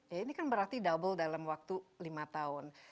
ya ini kan berarti double dalam waktu lima tahun